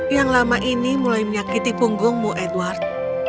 yang lama ini mulai menyakiti punggungmu edward